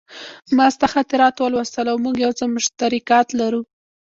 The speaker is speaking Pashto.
ما ستا خاطرات ولوستل او موږ یو څه مشترکات لرو